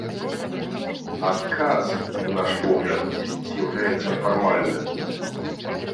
Адказ, на наш погляд, з'яўляецца фармальным.